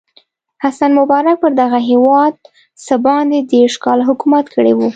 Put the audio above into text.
حسن مبارک پر دغه هېواد څه باندې دېرش کاله حکومت کړی و.